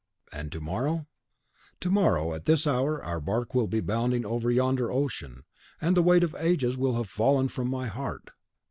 "And to morrow?" "To morrow, at this hour, our bark will be bounding over yonder ocean, and the weight of ages will have fallen from my heart!